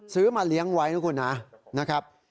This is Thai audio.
ซื้อมาเลี้ยงไว้นะคุณนะ